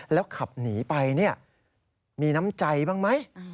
แล้วขับหนีไปมีน้ำใจบ้างไหม